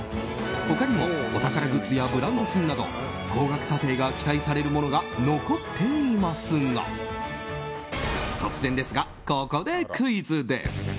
他にもお宝グッズやブランド品など高額査定が期待されるものが残っていますが突然ですが、ここでクイズです。